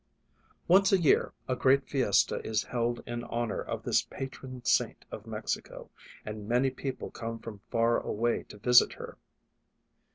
Once a year a great fiesta is held in honor of this patron saint of Mexico and many people come from far away to visit her.